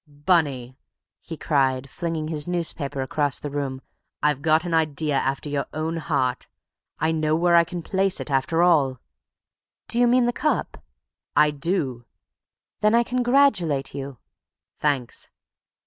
"Bunny," he cried, flinging his newspaper across the room, "I've got an idea after your own heart. I know where I can place it after all!" "Do you mean the cup?" "I do." "Then I congratulate you." "Thanks."